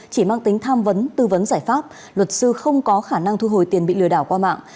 chỉ mang tính tham vấn tư vấn giải pháp luật sư không có khả năng thu hồi tiền bị lừa đảo qua mạng